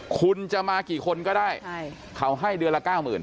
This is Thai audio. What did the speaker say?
คุณจะมากี่คนก็ได้เขาให้เดือนละ๙๐๐๐๐บาท